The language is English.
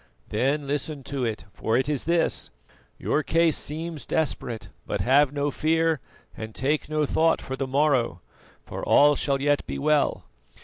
Then listen to it, for it is his: Your case seems desperate, but have no fear, and take no thought for the morrow, for all shall yet be well.